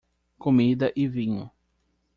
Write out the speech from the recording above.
Comida e vinho